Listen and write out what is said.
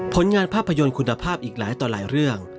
ผลงานภาพยนตร์คุณภาพอีกหลายต่อหลายเรื่อง